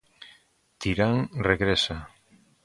Tirán regresa.